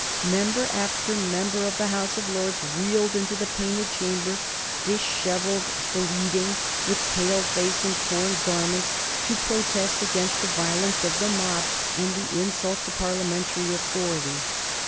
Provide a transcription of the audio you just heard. Member after member of the House of Lords reeled into the Painted Chamber, dishevelled, bleeding, with pale face and torn garments, to protest against the violence of the mob and the insult to Parliamentary authority.